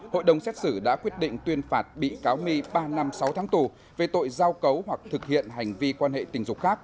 hội đồng xét xử đã quyết định tuyên phạt bị cáo my ba năm sáu tháng tù về tội giao cấu hoặc thực hiện hành vi quan hệ tình dục khác